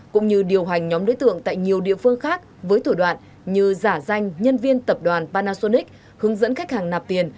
các đối tượng tại nhiều địa phương khác với thủ đoạn như giả danh nhân viên tập đoàn panasonic hướng dẫn khách hàng nạp tiền